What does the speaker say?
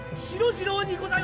次郎にございます！